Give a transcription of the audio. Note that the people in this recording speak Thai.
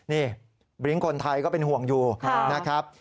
นี่บริ้งคนไทยก็เป็นห่วงอยู่นะครับ